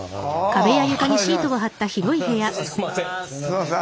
すいません。